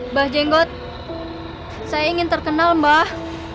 mbah jenggot saya ingin terkenal mbah